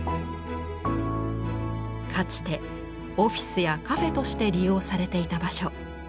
かつてオフィスやカフェとして利用されていた場所。